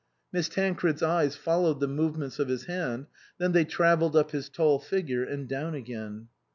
Miss Tancred's eyes followed the movements of his hand, then they travelled up his tall figure and down again.